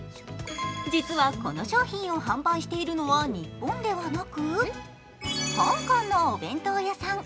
実はこの商品を販売しているのは日本ではなく、香港のお弁当屋さん。